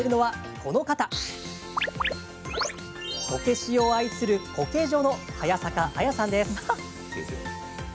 こけしを愛するこけ女の早坂綾さんです。